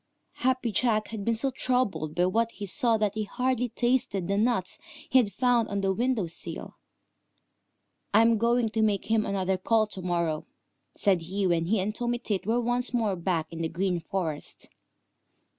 Happy Jack had been so troubled by what he saw that he had hardly tasted the nuts he had found on the window sill. "I am going to make him another call to morrow," said he when he and Tommy Tit were once more back in the Green Forest.